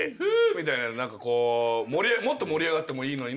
みたいな何かもっと盛り上がってもいいのになとは。